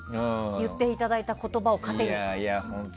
言っていただいた言葉を糧に。